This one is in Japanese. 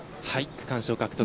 区間賞獲得